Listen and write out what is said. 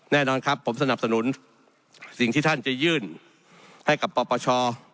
แน่นอนครับผมสนับสนุนสิ่งที่ท่านจะยื่นให้กับปปช